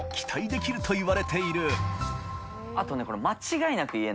あとね